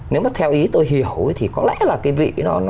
nếu mà theo ý tôi hiểu thì có lẽ là cái vị nó